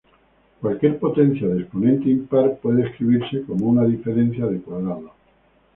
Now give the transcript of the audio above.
Cualquier potencia de exponente impar puede escribirse como una diferencia de cuadrados.